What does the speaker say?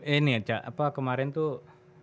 ini ya cak apa kemarin tuh